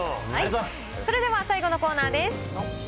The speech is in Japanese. それでは最後のコーナーです。